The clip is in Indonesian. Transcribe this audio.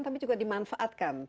tapi juga dimanfaatkan